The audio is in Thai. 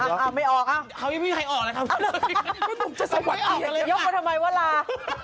ยกมาทำไมว่าร้า